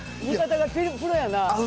見方がプロやな。